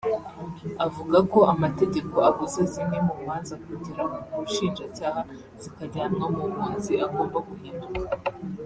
avuga ko amategeko abuza zimwe mu manza kugera ku bushinjacyaha zikajyanwa mu bunzi agomba guhinduka